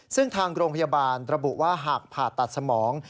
ซึ่งทางโรงพยาบาลระบุว่าหากผ่าตัดสมอง